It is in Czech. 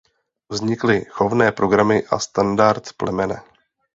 Vznikly chovné programy a standard plemene.